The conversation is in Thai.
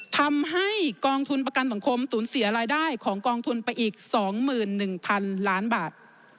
ทำให้กองทุนประกันสังคมสูญเสียรายได้ของกองทุนไปอีก๒๑๐๐๐ล้านบาท